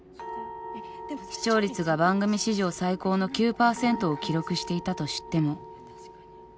視聴率が番組史上最高の９％を記録していたと知っても。